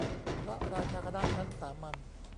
พระราชาคณะชั้นสามัญ